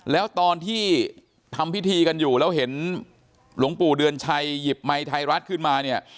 แล้วตอนที่ทำพิธีกันอยู่แล้วเห็นหลวงปู่เดือนชัยหยิบไมค์ไทยรัฐขึ้นมาเนี่ย